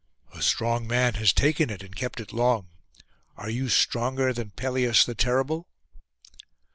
'A strong man has taken it and kept it long. Are you stronger than Pelias the terrible?